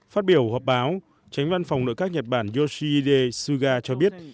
phát biểu họp báo tránh văn phòng nội các nhật bản yoshihide suga cho biết